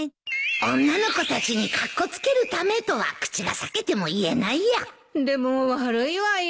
女の子たちにカッコつけるためとは口が裂けても言えないやでも悪いわよ。